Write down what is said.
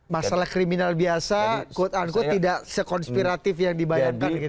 masalah kriminal biasa quote unquote tidak sekonspiratif yang dibayangkan gitu